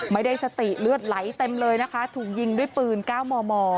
ไม่ได้สติเลือดไหลเต็มเลยนะคะถูกยิงด้วยปืน๙มม